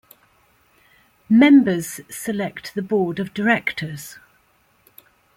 Members select the board of directors.